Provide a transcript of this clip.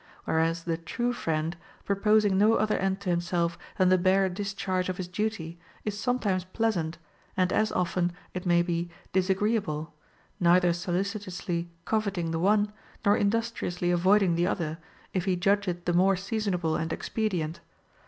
Whereas the true friend, proposing no other end to himself than the bare discharge of his duty, is sometimes pleasant, and as often, it may be, disagreeable, neither solicitously coveting the one, nor industriously avoid ing the other, if he judge it the more seasonable and expedient.